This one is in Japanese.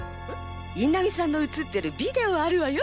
印南さんの映ってるビデオあるわよ。